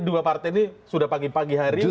dua partai ini sudah pagi pagi hari